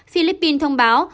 philippines thông báo